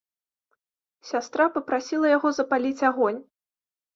Сястра папрасіла яго запаліць агонь.